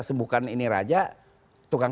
sembuhkan ini raja tukang